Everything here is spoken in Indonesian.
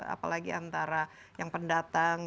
apalagi antara yang pendatang